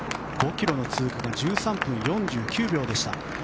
５ｋｍの通過が１３分４９秒でした。